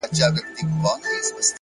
خپل وخت له موخې سره وتړئ.